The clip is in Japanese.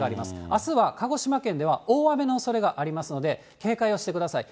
あすは鹿児島県では、大雨のおそれがありますので、警戒をしてください。